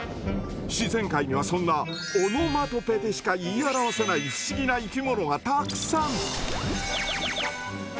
自然界にはそんなオノマトペでしか言い表せない不思議な生き物がたくさん。